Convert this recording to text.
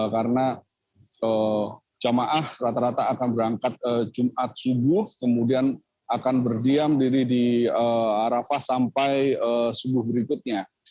karena jamaah rata rata akan berangkat jumat subuh kemudian akan berdiam diri di arafah sampai subuh berikutnya